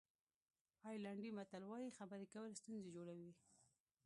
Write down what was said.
آیرلېنډي متل وایي خبرې کول ستونزې جوړوي.